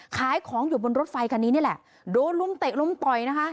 ขายของอยู่บนรถไฟคันนี้นี่แหละโดนลุมเตะลุมต่อยนะคะ